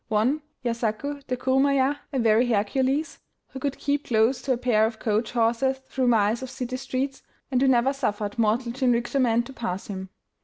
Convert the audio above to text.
One, Yasaku, the kurumaya, a very Hercules, who could keep close to a pair of coach horses through miles of city streets, and who never suffered mortal jinrikisha man to pass him.